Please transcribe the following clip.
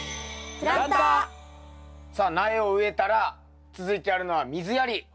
さあ苗を植えたら続いてやるのは水やり。